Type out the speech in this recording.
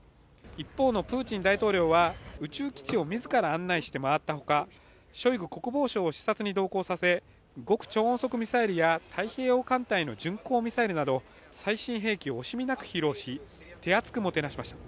一方のプーチン大統領は宇宙基地を自ら案内して回ったほか、ショイグ国防相を視察に同行させ、極超音速ミサイルや太平洋艦隊の巡航ミサイルなど最新兵器を惜しみなく披露し手厚くもてなしました。